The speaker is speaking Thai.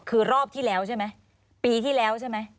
คือรอบที่แล้วใช่ไหมปีที่แล้วใช่ไหม